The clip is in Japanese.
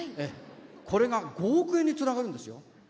これが５億円につながるんですよ。